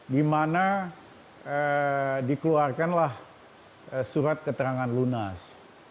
di mana dikeluarkanlah surat keterangan lunas